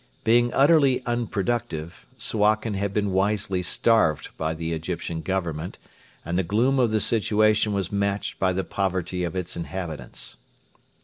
Being utterly unproductive, Suakin had been wisely starved by the Egyptian Government, and the gloom of the situation was matched by the poverty of its inhabitants.